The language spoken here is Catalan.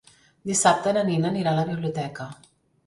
Dissabte na Nina anirà a la biblioteca.